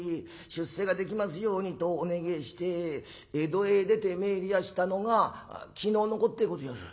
出世ができますように』とお願えして江戸へ出てめえりやしたのが昨日のこってごぜえやす」。